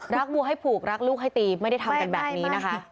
วัวให้ผูกรักลูกให้ตีไม่ได้ทำกันแบบนี้นะคะ